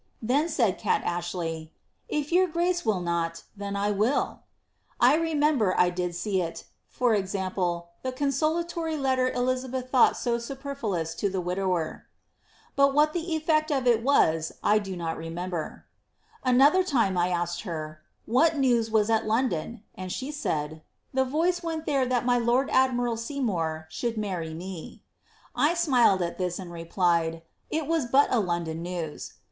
Then said Kat Ashley, * If your grace will not, then will I.' I remember I did see it, (i.e., ikt cmsptoery ktUr J^abetk thought to nqmjlwma to the widower^) but what the eflect of it was I do not remember. "Anocher time I asked her, * what news was at London,* and she said, *The foiea weot there that my lord admiral Seymour ^ould marry me.* I smiled at that, and replied, * It was but a London news.'